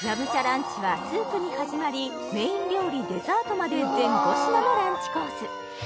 ランチはスープに始まりメイン料理デザートまで全５品のランチコース